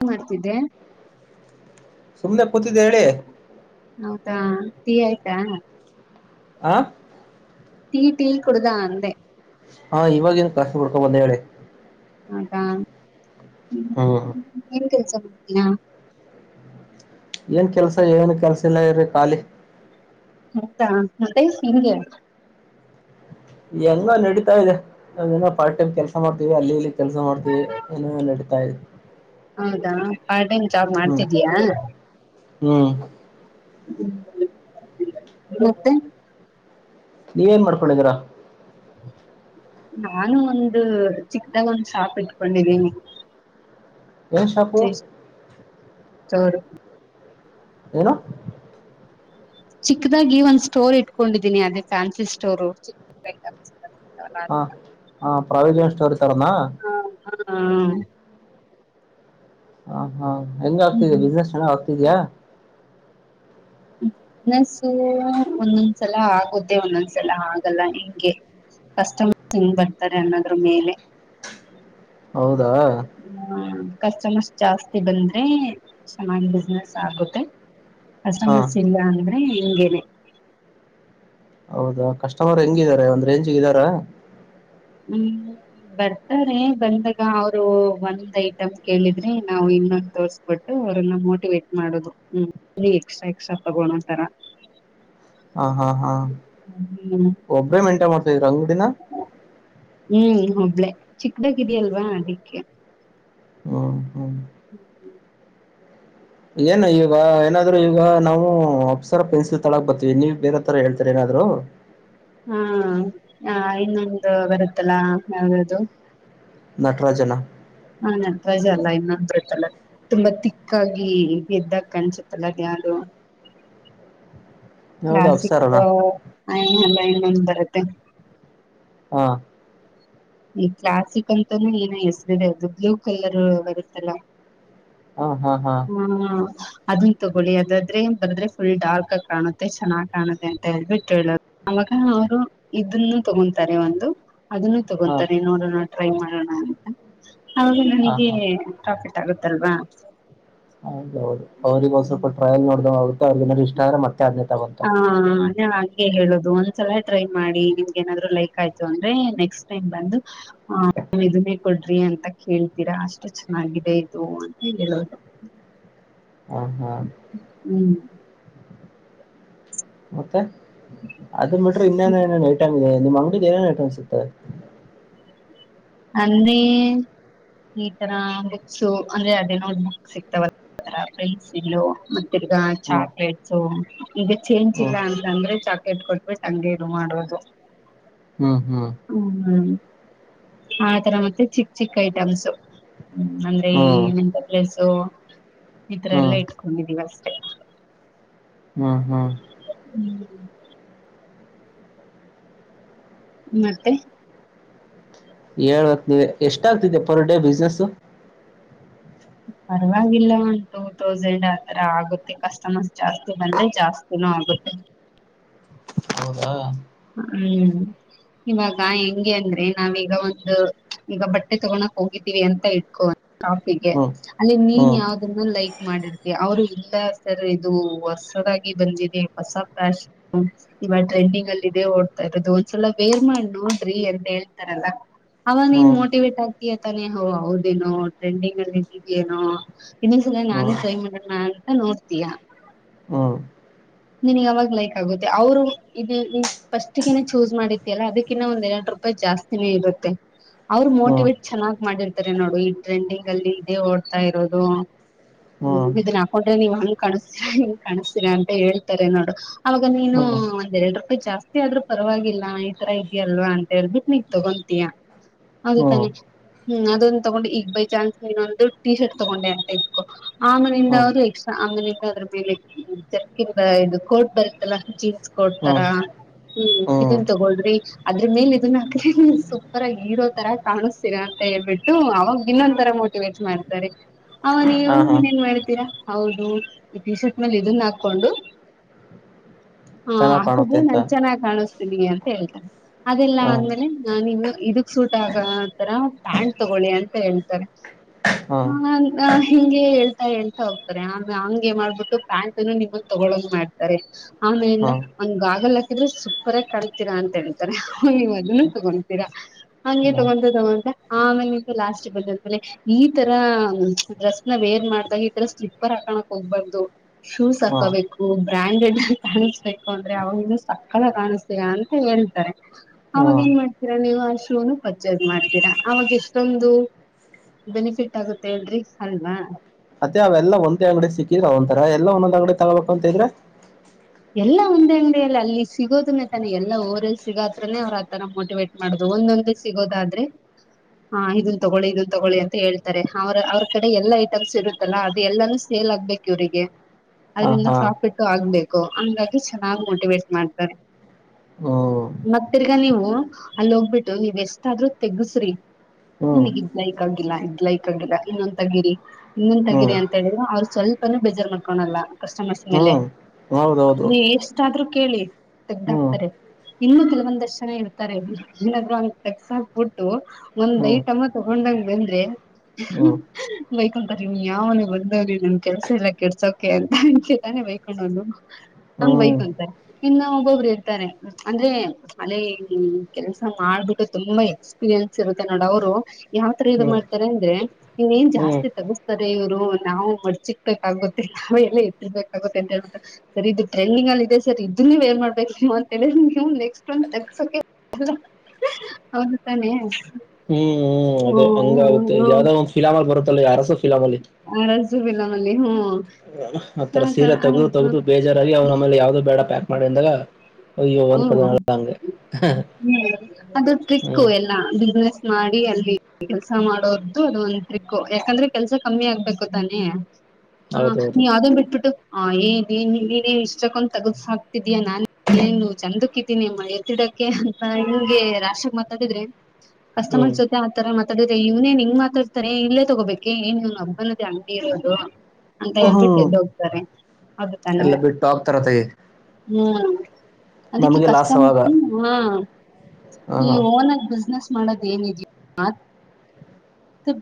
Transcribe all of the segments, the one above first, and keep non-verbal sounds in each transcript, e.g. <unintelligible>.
ಹಂಗ ಮಾಡ್ತಿದ್ದೆ ಸುಮ್ನೆ ಕೂತಿದ್ದ ಹೇಳಿ ಹೌದಾ ಟೀ ಆಯ್ತಾ ಆ ಟೀ ಟೀ ಕುಡುದಾ ಅಂದೆ ಹಾ ಇವಾಗ ಏನು ಕ್ಲಾಸ ಕೊಡ್ಕೊ ಬಂದ ಹೇಳೆ ಹದಾ ಹಾ ಹಾ ಏನ್ ಕೆಲ್ಸ ಏನ್ ಕೆಲ್ಸ ಇಲ್ಲ ಇ್ರರಿ ಖಾಲಿ ಮತ್ತಾ ಮತ್ತ ಈ ಸಿಗೆ ಹೆಂಗ ನಡೀತಾ ಇದೆ ನಾವಏನ ಪಾರ್ಟ್ ಟೈಮ್ ಕೆಲಸ ಮಾಡ್ತೀವಿ ಅಲ್ಲಿ ಇಲ್ಲಿ ಕೆಲಸ ಮಾಡ್ತೀವಿ ಏನೋ ನಾಡಿತೈದೇ ಹೌದಾ ಪಾರ್ಟ್ ಟೈಮ್ ಜಾಬ್ ಹ್ಮ್ ಮಾಡ್ತಿದ್ದಯಾ ಹ್ಮ್ ್ಮ ಮತ್ತೆ ನೀವೇನ್ ಮಾಡ್ಕೊಂಡಿದೀರಾ ನಾನು ಒಂದು ಚಿಕ್ಕದಾಗ ಒಂದ ಶಾಪ್ ಇಟ್ಕೊಂಡಿದ್ದೀನಿ ಏನು ಶಪ್ಪು ಸಾರ ಏನು ಚಿಕ್ಕದಾಗಿ ಒಂದ್ ಸ್ಟೋರ್ ಇಟ್ಕೊಂಡಿದೀನಿ ಅದೇ ಫ್ಯಾನ್ಸಿ ಸ್ಟೋರು ಚಿ ಹ ಹ ಪ್ರವಿಜನ್ ಸ್ಟೋರ್ ತರ್ನ ಹಾ ಹಾ ಹಾ ಹೆಂಗ ಆಗ್ತಿದೆ ಹ ಬಿಸ್ಸ್ ಚೆ ಆ ಇದಯಾ ಬಿಸ್ನೆಸು ಒಂದೊಂದ್ಸಲ ಆಗುತ್ತೆ ಒಂದೊಂದ್ಸಲ ಆಗಲ್ಲ ಹೆಂಗೆ ಕಸ್ಟಮರ್ಸ್ ಹೆಂಗ್ ಬರ್ತಾರೆ ಅನ್ನೋದ್ರ ಮೇಲೆ ಹೌದ್ ಹ್ಮ ಕಸ್ಟಮರ್ಸ್ ಜಾಸ್ತಿ ಬಂದ್ರೆ ಚೆನ್ನಾಗ್ ಬಿಸ್ನೆಸ್ ಆಗುತ್ತೆ ಆ ಹಾ ಸಮಸ್ಯೆ ಇಲ್ಲ ಅಂದ್ರೆ ಹಂಗೆನೇ ಹೌದಾ ಕಸ್ಟಮರ್ ಹೆಂಗಿದ್ದಾರೆ ಒಂದ್ ರೇಂಜಿಗೆ ಇದರ್ ದರ ಹ್ಮ್ ಬರ್ತಾರೆ ಬಂದಾಗ ಅವರು ಒಂದ್ ಐಟಮ್ ಕೇಳಿದ್ರೆ ನಾವು ಇನ್ನೊಂದು ತೋರ್ಸ್ಬಿಟ್ಟು ಅವ್ರನ್ನ ಮೋಟಿವೇಟ್ ಮಾಡೋುದು ಹ್ಮ್ ಇ ಎಕ್ಸ್ಟ್ರಾ ಎಕ್ಸ್ಟ್ರಾ ತಗೋಣೋಂತರ ಹಾ ಹಾ ಹಾ ಒಬ್ಬ್ರೇ ಮೆಂಟೆನ್ ಮಾಡ್ತಾದೀರ ಅಂಗಡಿನ ಚಿಕ್ದಾಗಿದೆಯಲ್ವಾ ಅದಕ್ಕೆ ಹ್ಮ ಹ್ಮ <inaudible> ಏನು ಈಗ ಏನಾದ್ರು ಈಗ ನಾವು ಅಪ್ಸರ ಪೆನ್ಸಿಲ್ ತೊಳಕ್ ಬರ್ತೀವಿ ನೀವ್ ಬೇರೆ ತರ ಹೇಳ್ತರಿ ಏನಾದ್ರು ಹಾ ಇನ್ನೊಂದು ಬರುತ್ತಲ್ಲಾ ಯಾವ್ದದು ನಟರಾಜನಾ ಹಾ ನಟ್ರಾಜ ಅಲ್ಲ ಇನ್ನೊಂದ್ ಬರುತ್ತಲ್ಲ ತುಂಬಾ ತಿಕ್ಕಾಗಿ ಎದ್ದಾ ಕನ್ಸುತ್ತಲ್ಲ ಅದ ಯದು ಯಾವ್ದು ಕ್ಲಾಸಿಕ ಅಪ್ಸರನ ಐ ನ ಐ ಇನೊಂದ್ ಬರುತ್ತೆ ಹಾ ಈ ಕ್ಲಾಸಿಕ್ ಅಂತಾನೂ ಏನು ಹೆಸ್ರಿದೆ ಅದು ಬ್ಲೂ ಕಲರ್ ಬರುತ್ತಲ್ಲ ಹಾ ಅದನ್ ತಗೊಳ್ಳಿ ಅದಾದ್ರೆ ಬರದ್ರೆ ಫುಲ್ ಡಾರ್ಕ್ ಆಗ ಕಾಣುತ್ತೆ ಚೆನ್ನಾಗ್ ಕಾಣುತ್ತೆ ಅಂತ ಹೇಳ್ಬಿಟ್ಟು ಹೇಳರುಗ ಅವರು ಇದನ್ನು ತಗೊಂತಾರೆ ಒಂದು ಅದನ್ನು ಹಾ ತಗೊಂತಾನೆ ನೋಡೋಣ ಟ್ರೈ ಮಾಡೊಣ ಅಂತ ಹೌದು ಹಾ ನನಗೆ ಹಾ ಟಾಪಿಕ್ ಗೊತ್ತಗುತಲ್ವಾ ಹೌದೌದು ಅವ್ರಿಗೆ ಒಂದಂದು ಸ್ವಲ್ಪ ಟ್ರಯಲ್ ಮಾಡ್ದ ಆಗುತ್ ತ ಅವ್ರ್ಗೆ ಇಷ್ಟದ್ರೆ ಮಾಡ್ ಹಾ ಅ ಅದೆ ಗೆ ಹೇಳುದು ಒಂದ್ಸಲ ಟ್ರೈ ಮಾಡಿ ನಿಮ್ಗೆ ಏನಾದ್ರು ಲೈಕ್ ಆಯ್ತು ಅಂದ್ರೆ ನೆಕ್ಸ್ಟ್ ಟೈಮ್ ಬಂದು <unintelligible> ಕೊಡ್ರಿ ಅಂತ ಕೇಳ್ತೀರಾ ಅಷ್ಟು ಚೆನ್ನಾಗಿದೆ ಇದು ಅಂತ ಹೇಳೋದು. ಹಾಂ ಹಾಂ ಹ್ಮ್ ಮತ್ತೆ ಅದು ಬಿಟ್ರಿ ಇನ್ನೇನೇನ್ ಐಟಂ ಇದೆ? ನಿಮ್ ಅಂಗ್ಡಿಗ್ ಏನೇನ್ ಐಟಂ ಸಿಗ್ತವೆ? ಅಂದ್ರೆ ಈ ತರ ಬುಕ್ಸು ಅಂದ್ರೆ ಅದೇನೋ ಬುಕ್ ಸಿಗ್ತಾವಲ್ಲ ಪೆನ್ಸಿಲು ತಿರ್ಗಾ ಹ್ಮ್ ಚಾಕ್ಲೇಟ್ಸು ಈಗ ಚೇಂಜ್ ಇಲ್ಲ ಅಂತ ಅಂದ್ರೆ ಚ ಕೆಟ್ ಕೊಟ್ಬಿಟ್ ಹಂಗೆ ಇದು ಮಾಡ್ಬೋದು ಹ್ಮ್ ಹ್ಮ್ ಹ್ಮ್ <unintelligible> ಆ ತರ ಮತ್ತೆ ಚಿಕ್ ಚಿಕ್ ಐಟಮ್ಸು ಹ್ಮ್ ಅಂದ್ರೆ ಹ್ಮ್ ಏನಂತ ಪ್ಲೇಸು ಈತರ ಎಲ್ಲ ಹ್ಮ್ ಇಟ್ಕೊಂಡಿದ್ದೀವಷ್ ಹಾಂ ಹಾಂ <unintelligible> ಮತ್ತೆ? ಹೇಳ್ಬೇಕ್ ನೀವೆ ಎಷ್ಟಾಗ್ತಿದೆ ಪರ್ ಡೇ ಬಿಸ್ನೆಸ್ಸು? ಪರವಾಗಿಲ್ಲ ಒಂದ್ ಟೂ ತೌಸಂಡ್ ಆತರ ಆಗುತ್ತೆ. ಕಸ್ಟಮರ್ಸ್ ಜಾಸ್ತಿ ಬಂದ್ರೆ ಜಾಸ್ತಿನೂ ಆಗುತ್ತೆ. ಹೌದಾ? ಹ್ಮ್ ಇವಾಗ ಹೆಂಗೆ ಅಂದ್ರೆ ನಾವೀಗ ಒಂದು ಈಗ ಬಟ್ಟೆ ತಗೊಳಕ್ ಹೋಗಿದ್ದೀವಿ ಅಂತ ಇಟ್ಕೊ ಟಾಪಿಗೆ ಹ್ಮ್ ಅಲ್ಲಿ ನೀನ್ ಹ್ಮ್ ಯಾವ್ದನ್ನ ಲೈಕ್ ಮಾಡಿರ್ತ್ಯ ಅವರು ಸರ್ ಸರ್ ಇದು ಹೊಸದಾಗಿ ಬಂದಿದೆ ಹೊಸ ಫ್ಯಾಷನ್ ಇವಾಗ್ ಟ್ರೆಂಡಿಂಗ್ ಅಲ್ ಇದೇ ಓಡ್ತಾ ಇರೋದು ಒಂದ್ಸಲ ವೇರ್ ಮಾಡ್ ನೋಡ್ರಿ ಅಂತ ಹೇಳ್ತಾರಲ್ಲ ಅವಾಗ ನೀನ್ ಹ್ಮ್ ಮೋಟಿವೇಟ್ ಆಗ್ ಯಾತಾನೇ ಹೋ ಹೌದೇನೋ ಟ್ರೆಂಡಿಂಗ್ ಅಲ್ ಇದಿದ್ಯೇನೋ? ಇನ್ನೊಂದ್ ಸಲ ಹ್ಮ್ ನಾನು ಟ್ರೈ ಮಾಡಣ ನೋಡ್ತಿಯಾ ಹೂಂ ನಿನಿಗ್ ಅವಾಗ್ ಲೈಕ್ ಆಗುತ್ತೆ ಅವರು ಇದು ಇ ಫರ್ಸ್ಟ್ ಗೇನೆ ಚೂಸ್ ಮಾಡಿದ್ ಎಲ್ಲ ಅದಕ್ಕಿನ್ನ ಒಂದ್ ಎರಡ್ ರೂಪಾಯಿ ಜಾಸ್ತಿನೇ ಇರುತ್ತೆ. ಅವ್ರ್ ಹ್ಮ್ ಮೋಟಿವೇಟ್ ಚೆನ್ನಾಗ್ ಮಾಡಿರ್ತಾರೆ. ನೋಡು ಈ ಟ್ರೆಂಡಿಂಗ್ ಅಲ್ಲಿ ಇದೇ ಓಡ್ತಾ ಇರೋದು. ಹ್ಮ್ ಇದುನ್ ಹಾಕೊಂಡ್ರೆ ನೀವ್ ಹಂಗ್ ಕಾಣಿಸ್ತೀನ್ ಕಾಣಿಸ್ತೀರಾ ಅಂತ ಹೇಳ್ ತೆರೆ ನೋಡು. ಅವಾಗ ನೀನು ಹ್ಮ್ ಒಂದೆರಡು. ಪ್ ಜಾಸ್ತಿ ಆದ್ರೂ ಪರ್ವಾಗಿಲ್ಲ ಈ ತರ ಇದ್ಯಲ್ವಾ ಅಂತ ಹೇಳೇಳ್ಬುಟ್ ನೀನ್ ತಗೊಂತೀಯ. ಹೌದು ಹ್ಮ್ ತಾನೆ. ಹ್ಮ್ ಅದೊಂದ್ ತಗೊಂಡು ಈಗ್ ಬೈ ಚಾನ್ಸ್ ನೀನ್ನೊಂದು ಟೀ ಶರ್ಟ್ ತಗೊಂಡೆ ಅಂತ ಇಡ್ಕೊ ಆಮೇಲಿಂದ ಹ್ಮ್ ಹ್ಮ್ ಅದು ಎಕ್ಸ್ಟ್ರಾ ಅಂಗ್ನಿಂದ ಅದ್ರ ಮೇಲೆ ಜರ್ಕಿನ್ ತ ಇದು ಕೋಟ್ ಬರುತ್ತಲ್ಲ ಜೀನ್ಸ್ ಕೋಟ್ ತರ ಹ್ಮ್ ಹ್ಮ್ ಇದನ್ ತಗೋಳ್ರಿ ಅದ್ರ ಮೇಲ್ ಇದನ್ನ ಹಾಕ್ರಿ ಸೂಪರ್ ಆಗ್ ಹಿರೋ ತರ ಕಾಣುಸ್ತೀರ ಅಂತ ಹೇಳ್ಬಿಟ್ಟು ಅವಾಗ್ ಇನ್ನೊಂದ್ ತರ ಮೋಟಿವೇಟ್ ಮಾಡ್ತರೆ. ಅವ ನೀವು ಹಾ ಹಾ ಇನ್ನೇನ್ ಮಾಡ್ತೀರಾ. ಹೌದು ಈ ಟಿ ಶರ್ಟ್ ಮೇಲೆ ಇದುನ್ನ ಹಾಕೊಂಡು. ಹಾ ಚೆನ್ನಾಗ್ ಕಾಣುತ್ತೆ ಹಾಕುದ್ಮೇಲ್ ಅಂತ ನಾನ್ ಚೆನ್ನಾಗ್ ಕಾಣಿಸ್ತೀನಿ ಅಂತ ಹೇಳ್ತಾರೆ. ಅದೆಲ್ಲ ಹ ಅಂದ್ಮೇಲೆ ನಾನಿನ್ನು. ಇದುಕ್ ಸೂಟ್ ಆಗೊ ತರ ಪ್ಯಾಂಟ್ ತಗೊಳ್ಳಿ ಅಂತ ಹೇಳ್ತಾರೆ ಹಾ ಹ ಹಿಂಗೆ ಹೇಳ್ತಾ ಹೇಳ್ತ ಹೋಗ್ತಾರೆ ಆಮೆ ಹಂಗೆ ಮಾಡ್ಬಿಟ್ಟು ಪ್ಯಾಂಟುನು ನಿಮ್ ತಗೊಳೊ ಹಂಗ್ ಮಾಡ್ತಾರೆ ಹಾ ಆಮೇಲಿಂದ ಒಂದ್ ಗಾಗಲ್ ಹಾಕಿದ್ರೆ ಸೂಪರ್ ಆಗಿ ಕಣ್ತೀರಾ ಅಂತ ಹೇಳ್ತಾರೆ ನೀವು ಅದುನ್ನು ತಗೊತೀರಾ ಹಂಗೆ ಹ್ಮ ತಗೊಂತ ತಗೊಂತ ಆಮೇಲೆ ನಿಂತ ಲಾಸ್ಟ್ ಬಂದ ಮೇಲೆ ಈ ತರ ಡ್ರೆಸ್ನ ವೇರ್ ಮಾಡ್ದಾಗ ಈ ತರ ಸ್ಲಿಪರ್ ಹಾಕಣಕ್ ಹೋಗ್ಬಾರ್ದು ಶೂಸ್ ಹಾ ಹಾಕೋಬೇಕು. ಬ್ರ್ಯಾಂಡೆಡ್ ಕಾಣಿಸ್ಬೇಕು ಅಂದ್ರೆ ಅವಾಗ ಸಕ್ಕತಾಗ್ ಕಾಣಿಸತೀರಾ ಅಂತ ಹೇಳ್ತಾರೆ, ಹಾ ಅವಾಗ ಏನ್ ಮಾಡ್ತೀರಾ ನೀವು ಆ ಶೂನು ಪರ್ಚೇಸ್ ಮಾಡ್ತೀರಾ ಅವಾಗ್ ಎಷ್ಟೊಂದು ಬೆನಿಫಿಟ್ ಆಗುತ್ತೆ ಹೇಳ್ರಿ ಅಲ್ವಾ. ಅತ್ತೆ ಅವೆಲ್ಲಾ ಒಂದೇ ಅಂಗ್ಡಿಗ್ ಸಿಕ್ಕಿದ್ರೆ ಒಂಥರ ಎಲ್ಲಾ ಒಂದೊಂದ್ ಅಂಗ್ಡಿ ತಗೊಬೇಕ್ ಅಂತ ಇದ್ರೆ. ಎಲ್ಲಾ ಒಂದೇ ಅಂಗ್ಡಿಯಲ್ಲಿ ಅಲ್ಲಿ ಸಿಗೋದನ್ನ ತಾನೆ ಎಲ್ಲಾ ಓರ್ಲ್ಲ ಸಿಗೊತ್ರನೆ ಅವ್ರ ಆತರ ಮೋಟಿವೇಟ್ ಮಾಡದು ಒಂದೊಂದೇ ಸಿಗೋದಾದ್ರೆ ಹ ಇದನ್ ತಗೊಳ್ಳಿ ಇದನ್ ತಗೊಳ್ಳಿ ಅಂತ ಹೇಳ್ತಾರೆ ಅವ್ರ ಅವ್ರ ಕಡೆ ಎಲ್ಲಾ ಐಟಮ್ಸ್ ಇರುತ್ತಲ್ಲಾ ಅದು ಎಲ್ಲಾನು ಸೇಲ್ ಆಗ್ಬೇಕ್ ಇವ್ರಿಗೆ. ಹಾ ಅದ್ರಿಂದ ಹಾ ಪ್ರಾಫಿಟ್ಟು ಆಗ್ಬೇಕ್. ಹಂಗಾಗಿ ಚೆನ್ನಾಗಿ್ ಮೋಟಿವೇಟ್ ಮಾಡ್ತ. ಹ್ಮ್ ಮತ್ತಿರ್ಗ ನೀವು ಅಲ್ಲಿ ಹಂಗಾಗಿ ಹಂಗಾಗಿ ಚೆನ್ನಾಗಿ ಮೋಟಿವೇಟ್ ಮಾಡ್ತಾರೆ ಮತ್ತೆ ತೀರಾ ನೀವು ಅಲ್ಲಿ ಹೋಗ್ಬಿಟ್ಟು ನೀವ್ ಎಷ್ಟಾದ್ೂ ತೆಗಸ್ರಿ. ಹ್ಮ್ ನನಗ ಇದ್ ಲೈಕ್ ಆಗಿಲ್ಲ ಇದ್ ಲೈಕ್ ಆಗಿಲ್ಲ ಇನ್ನೊಂದ್ ತಗಿರಿ ಇನ್ನೊಂದ್ ಹ್ಮ್ ತಗಿರಿ ಅಂತ ಹೇಳಿದ್ರರು ಅವ್ರು ಸ್ವಲ್ಪನ ಬೇಜಾರ್ ಮಾಡ್ಕೊಳಲ್ಲ ಕಸ್ಟಮರ್ಸ್ ಮೇಲೆ. ಹ್ಮ್ ಹೌದೌದು ನೀ ಎಷ್ಟಾದ್ರು? ಕೇಳಿ! ಹ್ಮ್ ತೆಗ್ದ್ಕ್ತಾರೆ. ಇನ್ನು ಕೆಲವೊಂದಷ್ಟು ಜನ ಇರ್ತಾರೆ. ಅ ಏನಾದ್ರು ಒಂದ ತಕ್ಸ್ ಹಾಕ್ಬಿಟ್ಟು ಒಂದ್ ಹ್ಮ್ ಹ್ಮ್ ಐಟಮ್ಮ ತಗೊಂಡಂಗ ಬಂದ್ರೆ ಹ್ಮ್ ಬೈಕೊಂತಾರೆ ನಿಮ್ ಯಾವನ ಬಂದವಿ ನನ್ ಕೆಲ್ಸ ಎಲ್ಲ ಕೆಡ್ಸೋಕೆ ಅಂತ ಅತಾನೆ ಬೈಕೊಂಡನು. ಹಂಗ್ ಬೈತು ಹ್ಮ್ ಅಂತಾರೆ ಇನ್ನ ಒಬ್ಬೊಬ್ರು ಇರ್ತಾರೆ ಅಂದ್ರೆ! ಅಲ್ಲೇ ಕೆಲ್ಸ ಮಾಡ್ಬಿಟ್ಟು ತುಂಬಾ ಎಕ್ಸ್ಪೀರಿಯನ್ಸ್ ಇರುತ್ತೆ. ನೋಡ ಅವ್ರು ಯಾವ್ತರ ಇ ಹ್ಮ್ ಹ್ಮ್ ಮಾಡ್ತಾರೆ ಅಂದ್ರೆ! ಇನ್ನ ಏನ್ ಹ್ಮ್ ಜಾಸ್ತಿ ತಗಸ್ತಾರೆ ಇವ್ರು ನಾವು ಮಡ್ಚಿಕ್ಬೇಕಾಗುತ್ತೆ ನಾವ್ ಎಲ್ಲ ಎತ್ತಿರ್ಬೇಕಾಗುತ್ತೆ ಅಂತ ಹೇಳ್ಬಿಟ್ಟು. ಸರಿ ಇದು ಟ್ರೆಂಡಿಂಗ್ ಅಲ್ಲಿ ಇದೆ ಸರ್ ಇದ ನೀ್ ವೇರ್ ಮಾಡ್ಬೇಕು ನೀವ ಅಂತೇಳಿ ನೀ್ ನೆಕ್ಸ್ಟ್ ಒ ಸಸಕ ಅವ ತಾನೆ. ಹ್ಮ್ ಅದೇಂಗ ಹ್ಮ್ ಆಗುತ್ತೆ ಯಾವ್ದದ ಒ ಫಿಲಾ ಬರುತ್ತೆ. ಯಾರ್ದು ಹ ಆರ್‌ಸಿಬಿ ಕಪ್ ನಮ್ ನಾನೇನು ಆ ತರ ಸೀರೆ ತೆಗ್ದು ತೆಗ್ದು ಬೇಜಾರಾಗಿ ಅವ್ನ ಆಮೇಲೆ ಯಾವುದು ಬೇಡ ಪ್ಯಾಕ್ ಮಾಡಿ ಅಂದಾಗ ಅಯ್ಯೋ ಅನ್ಕದ ಹ್ಮ್ಮ ಅದು ಟ್ರಿಕ್ಕ ಹ್ಮ್ ಎಲ್ಲ ಬಿಜಿನೆಸ್ ಮಾಡಿ ಅಲ್ಲಿ ಕೆಲ್ಸ ಮಾಡೋದು ಅದು ಒಂದ ಟ್ರಿಕ್ಕೋ ಯಾಕಂದ್ರೆ ಕೆಲ್ಸ ಕಮ್ಮಿ ಆಗ್ಬೇಕು ತಾನೆ ಹಾ ಹೌದೌದು ನೀವು ಅದನ್ನು ಬಿಟ್ಬಿಟ್ಟು ಹ ಏನ್ ನೀನೆ ಇಷ್ಟಕ್ಕೊಂದು ತಗುಸಾಕ್ತಿದ್ಯಾ ನಾನ್ ಇಲ್ಲಿನು ಚಂದುಕ್ಕಿದೀನಿ ನಿಮ್ಮ ಎತ್ತಿಡಕ್ಕೆ ಅಂತ ನಿಂಗೆ ರಾಶಾಗ್ ಮಾತಾಡಿದ್ರೆ. ಕಸ್ಟಮರ್ಸ್ ಹ್ಮ್ ಜೊತೆ ಆತರ ಮಾತ್ ಮಾತಾಡ್ರೆ ಇವ್ನೇನ್ ಹಿಂಗ ಮಾತಾಡ್ತಾನೆ ಇಲ್ಲೇ ತಗೋ ಬೇಕೇ ಏನ್ ಏನಿದು ಒಬ್ಬಂದೆ ಅಂಗಡಿ ಇರೋದು ಅಂತ ಹೇಳ್ಬಿಟ್ಟು ಹ್ಮ್ ಎದ್ದೊಗ್ತಾರೆ ಹೌದುತಾನೇ ಎಲ್ಲ ಬಿಟ್ಟು ಹೋಗ್ತಾರ ತೆಗಿ ಹ್ಮ್ ಅದಕ್ಕೆ ನಮಗೆ ಲಾಸ್ ಅವಾಗ ಕಸ್ಟಮರ್ಸ್ ಹ್ಮ್ಮ್ ಹಾ ಹ ನೀವು ಹ ಒನಾಗಿ ಬಿಜಿನೆಸ್ ಮಾಡದ್ ಏನಿದೆಯೋ ಹಾ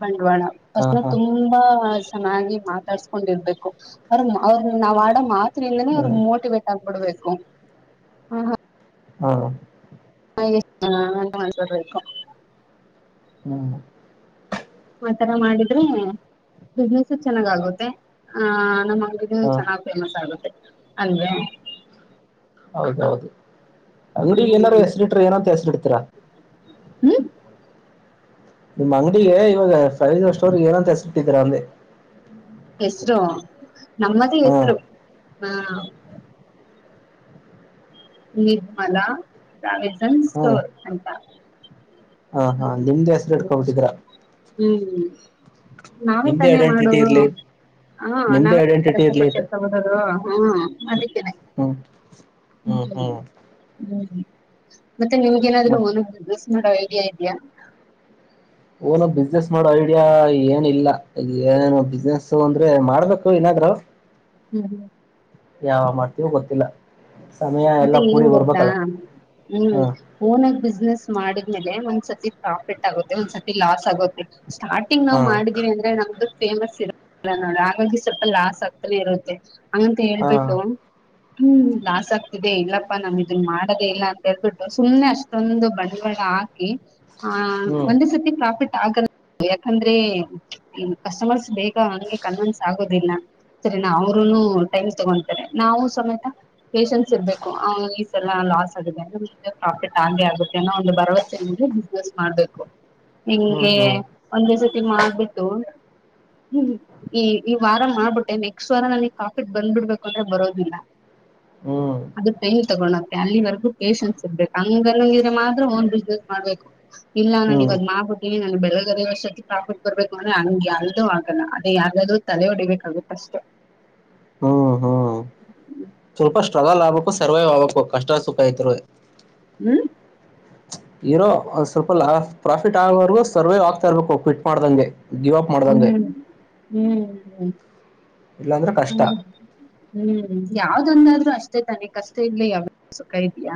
ಬ ಡವಾಳ ಅಥವಾ ಹ ಹ ತುಂಬಾ <unintelligible> ಚೆನ್ನಾಗಿ ಮಾತಾಡ್ಸ್ಕೊಂಡಿರ್ಬೇಕು ಅವ್ರ ಅವ್ರನ್ನ ನಾವ್ ಆಡ ಮಾತು ಇಂದಾನೆ ಅವರು ಹ್ಮ್ ಮೋಟಿವೇಟ್ ಆಗಬಿಡ್ಬೇಕು <unintelligible> <unintelligible> ಹಾ ಹಾ ಹಾ ಹಂಗೆ ಮಾಡ್ಕೋಬೇಕು ಹ್ಮ್ ಆತರ ಮಾಡಿದ್ರೆ ಬಿಜಿನೆಸ್ ಚೆನ್ನಾಗ ಆಗುತ್ತೆ ಆ ನಮ್ಮ ಹ ಹ್ಮುಚೆನ್ನಾಗಿ ಫೇಮಸ್ ಆಗುತ್ತೆ ಅಲ್ವೇ ಹೌದೌದು ಅಂಗಡಿಗೆ ಏನಾರಾ ಹ್ಮ್ ಹೆಸರಿಟ್ಟರೆ ಏನ್ ಅಂತ ಹೆಸರು ಇಡ್ತಿರಾ ಹ್ಮ್ ನಿಮ್ಮ್ ಅಂಗಡಿಗೆ ಇವಾಗ ಫೈನಾನ್ಸ್ ಸ್ಟೋರ್ಗೆ ಏನಂತ ಹೆಸರಿಟ್ಟಿದ್ರಾ ಅಂದೆ ಹೆಸರೋ ನಮ್ಮದೇ ಹಾ ಹೆಸರು ಹಾ ನಿರ್ಮಲ ಪ್ರಾವಿಷ ನ್ ಹಾ ಸ್ಟೋರ್ ಅಂತ ಹಾ ಹಾ ಹ್ಮ್ ನಿಮ್ದು ಹೆಸರು ಇಟ್ಕೊಂಡ್ ಬಿಟ್ಟಿದ್ದೀರಾ ಹ್ಮ್ ನಾವೇ ತಾನೇ ಮಾಡೋದು ಹ ನಿಮ್ದೇ ಐಡೆಂಟಿಟಿ ಇರ್ಲಿ ಅಂತ ನಾವೇದು ಹ್ಮ ಅದಕ್ಕೆೇನೆ ಹ್ಮ್ <unintelligible> ಹ್ಮ್ ಹ್ಮ್ ಹ್ಮ್ <inaudible> ಮತ್ತೆ ನಿಮ್ಗೇನಾದ್ರು ಮತ್ ಸ್ ನೋ <unintelligible> ಇದಾ ಇದ ಇದಾ <unintelligible> ಓನು ಬಿಸ್ನೆಸ್ ಮಾಡೋ ಐಡಿಯಾ ಏನ ಇಲ್ಲ ಏನು ಬಿಸ್ನೆಸ್ ಅಂದ್ರೆ ಮಾಡ್ಬೇಕು ಏನಾದ್ರು ಹ್ಮ ಯಾವ ಮಾಡ್ತೀವೋ ಗೊತ್ತಿಲ್ಲ ಸಮಯ ಎಲ್ಲ ಮತ್ತೆ ಕೂಡಿ ಏನ್ ಗೊತ್ತಾ ಬರ್ಬೇಕಲ್ಲ ಹ್ಮ್ ಹ ಓನಾಗ ಬಿಸ್ನೆಸ್ ಮಾಡಿದ್ಮೇಲೆ ಒಂದು ಸತಿಪ್ರಾಫಿಟ್ ಆಗುತ್ತೆಒಂದಸತಿಲಾಸ್ ಆಗುತ್ತೆ ಸ್ಟಾರ್ಟಿಂಗ್ ಹ ನಾವ್ ಮಾಡಿದೀವಿ ಅಂದ್ರೆ ನಮ್ದು ಫೇಮಸ್ ಇರಲ್ಲ ನೋಡ ಹಾಗಾಗಿ ಸ್ವಲ್ಪ ಲಾಸ್ ಆಗ್ತಾನೆ ಇರುತ್ತೆ ಹಂಗಂತ ಹ ಹೇಳ್ಬಿಟ್ಟು ಹ್ಮ್ ಲಾಸ್ ಆಗ್ ದೆ ಇಲ್ಲಪ್ಪಾ ನಮ್ ಇದನ್ ಮಾಡದೇ ಇಲ್ಲ ಅಂತ ಹೇಳೇಳ್ಬಿಟ್ಟು ಸುಮ್ಮ್ನೆ ಅಷ್ ದೊಂದು ಬಂಡವಾಳ ಹಾಕಿ ಹ ಹ್ಮ್ ಒಂದ್ ಸತಿ ಪ್ರಾಫಿಟ್ ಯಾಕಂದ್ರೆ ಕಸ್ಟಮರ್ಸ್ ಬೇಗ ಹಂಗೆ ಕನ್ವಿನ್ಸ್ ಆಗೋದಿಲ್ಲ ಸರಿ ನಾ ಅವ್ರುನು ಟೈಮ್ ತಗೊತಾರೆ ನಾವು ಸಮೇತ ಪೇಷಂ ಸಿರ್ಬೇಕು ಐಸ್ ಲಾಸ್ ಆಗಿದೆ ಅಂದ್ರೆ ಪ್ರಾಫಿಟ್ ಆಗೆ ಆಗುತ್ತೆ ಅನ್ನೋ ಒಂದು ಭರವಸೆ ಮೇಲೆ ಬಿಸ್ನೆಸ್ ಮಾಡ್ಬೇಕು ಹ್ಮ್ ನಿಂಗೆ ಹ್ಮ್ ಒಂದ್ ದಿವಸ್ ಮಾಡ್ಬಿಟ್ಟು ಹ್ಮ ಈ ಈ ವಾರ ಮಾಡ್ಬಿಟ್ಟೆ ನೆಕ್ಸ್ಟ್ ವಾರ ನನಗೆ ಕಾಫಿಟ್ ಬಂದ್ಬಿಡ್ಬೇಕು ಅಂದ್ರೆ ಬರೋದಿಲ್ಲ ಹ್ಮ್ ಹ್ಮ್ ಅದು ಟೈಮ್ ತಗೋಣ ಅಲ್ಲಿವರೆಗೂ ಪೇಶನ್ಸ್ ಸಿರ್ಬೇಕು ಹಂಗಂಗಿದ್ರೆ ಮಾತ್ರ ಓನ್ ಬಿಸ್ನೆಸ್ ಮಾಡ್ಬೇಕು ಇಲ್ಲ ನಾನು ಇವಾಗ್ ಮಾಡ್ಬಟ್ಟೀನಿ ನ ಬೆ ಎರ್ದರೆ ವರ್ಷದ ಪ್ರಾಫಿಟ್ ಬರ್ಬೇಕು ಅಂದ್ರೆ ಹಂಗೆ ಯಾರವುದೂ ಆಗಲ್ಲ ಅದೇ ಯಾರ್ದಾದ್ರೂ ತಲೆ ಹೊಡಿಬೇಕಾಗುತ್ತೆ ಅಷ್ಟೆ ಹ್ಮ್ ಹ್ಮ್ ಸ್ವಲ್ಪ ಪ್ರಗ ಲಾಭಕ್ಕೂ ಸರ್ವೈವ್ ಆಗಕ್ಕು ಕಷ್ಟ ಸುಖ ಇತ್ ಹ್ಮ್ ಇರೋ ಒಂದ್ ಸ್ವಲ್ಪ ಲಾ ಪ್ರಾಫಿಟ್ ಆಗೋವರ್ಗೂ ಸರ್ವೇ ಆಗ್ತಾ ಇರ್ಬೇಕು ಕಿಟ್ ಮಾಡ್ದಂಗೆ ಗಿವ್ ಅಪ್ ಮಾಡ್ದಂಗೆ ಹ್ಮ್ ಹ್ಮ ಇಲ್ಲಾಂದ್ರೆ ಕಷ್ಟ ಹ ಹ್ಮ್ ಯಾವ್ದಂದಾದ್ರೂ ಅಷ್ ಮಷ್ಟೆ ತಾನೆ ಕಷ್ಟ ಇಲ್ಲ ಯಾವ ಸುಖ ಇದ್ಯಾ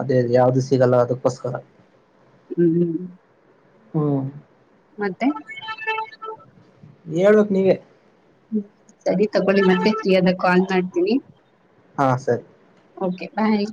ಅದೇ ಯಾವ್ದು ಸಿಗಲ್ಲ ಅದಕ್ಕೋಸ್ಕರ ಹ್ಮ್ ಹ್ಮ್ ಹು ಮತ್ತೆ ಹೇಳ್ಬೇಕ್ ನೀವೆ ಹ್ಮ ಸರಿ ತಗೊಳ್ಳಿ ಮತ್ತೆ ಫ್ರೀಯ ಆದಾಗ ಕಾಲ್ ಮಾಡ್ತೀನಿ ಹಾ ಸರಿ ಓಕೆ ಬಾಯ್